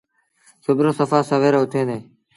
سُڀو رو سڦآ سويرو اُٿيٚن ديٚݩ۔